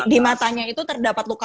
di matanya itu terdapat luka